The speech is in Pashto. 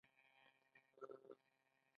مهایانا بودیزم له دې ځایه خپور شو